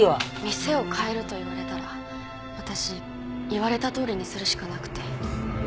店を変えると言われたら私言われたとおりにするしかなくて。